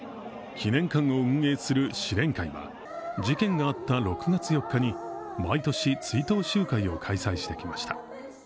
記念館を運営する支連会は事件があった６月４日に毎年、追悼集会を開催してきました。